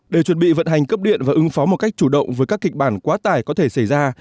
để chuẩn bị vận hành cấp điện và ứng phó một cách chủ động với các kịch bản quá tải có thể xảy ra